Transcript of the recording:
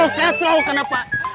aduh kak tro kenapa